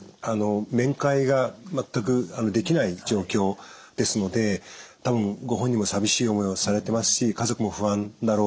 面会が全くできない状況ですので多分ご本人も寂しい思いをされてますし家族も不安だろうと思います。